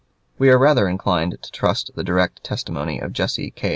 We are rather inclined to trust the direct testimony of Jesse K.